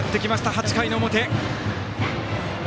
８回の表。